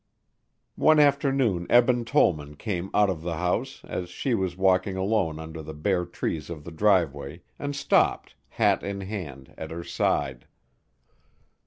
One afternoon Eben Tollman came out of the house, as she was walking alone under the bare trees of the driveway, and stopped, hat in hand, at her side.